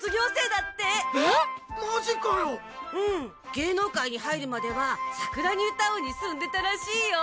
芸能界に入るまではさくらニュータウンに住んでたらしいよ。